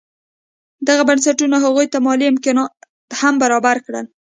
دغو بنسټونو هغوی ته مالي امکانات هم برابر کړل.